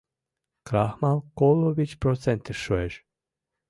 Крахмал коло вич процентыш шуэш.